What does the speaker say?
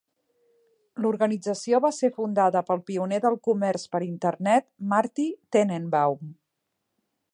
L'organització va ser fundada pel pioner del comerç per Internet Marty Tenenbaum.